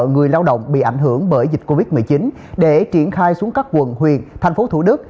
người lao động bị ảnh hưởng bởi dịch covid một mươi chín để triển khai xuống các quần huyện tp thủ đức